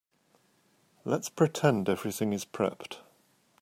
Let's pretend everything is prepped.